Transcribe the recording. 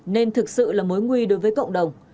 nên thực sự là mối nguy đối với cộng đồng